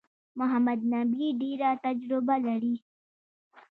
محمد نبي ډېره تجربه لري.